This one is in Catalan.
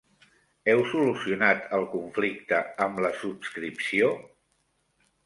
Heu solucionat el conflicte amb la subscripció?